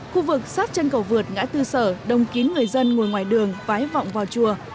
khu vực sát chân cầu vượt ngã tư sở đông kín người dân ngồi ngoài đường vái vọng vào chùa